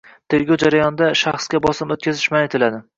Tergov jarayonida shaxsga bosim o‘tkazish man etilading